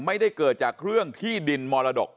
ไม่ได้เกิดจากเรื่องที่ดินมรดก